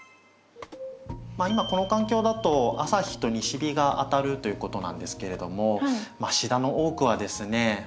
今この環境だと朝日と西日が当たるということなんですけれどもシダの多くはですね